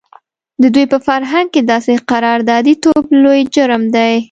د دوی په فرهنګ کې داسې قراردادي توب لوی جرم دی.